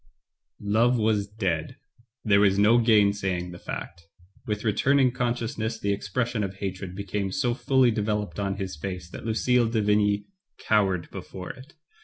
Love was dead. There was no gainsaying the fact. With returning consciousness the expres sion of hatred became so fully developed on his face that Lucille de Vigny cowered before it.